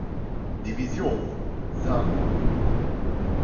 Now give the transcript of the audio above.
Division (Saarburg).